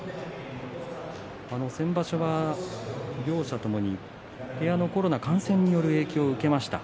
先場所は両者ともに部屋のコロナ感染による影響を受けました。